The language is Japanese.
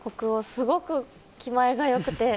すごく気前が良くて。